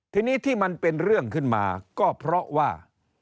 ทีนี้ที่มันเป็นเรื่องขึ้นมาก็เพราะว่า